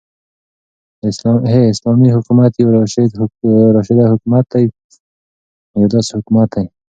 ح : اسلامې حكومت يو راشده حكومت دى يو داسي حكومت دى